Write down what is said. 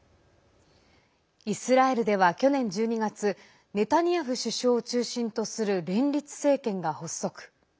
イスラエルでは、去年１２月ネタニヤフ首相を中心とする連立政権が発足。